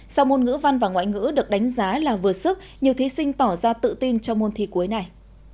sau môn ngữ văn và ngoại ngữ được đánh giá là vượt sức nhiều thí sinh tỏ ra tự tin cho môn thi cuối này